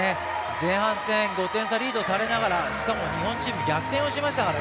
前半戦、５点差リードされながらしかも日本チーム逆転をしましたから。